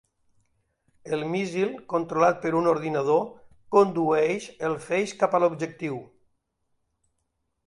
El míssil, controlat per un ordinador, "condueix" el feix cap a l'objectiu.